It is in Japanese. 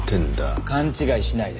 勘違いしないで。